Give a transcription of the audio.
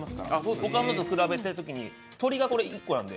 他のと比べてるときに鶏が、これ、１個なんで。